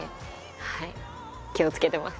はい気をつけてます。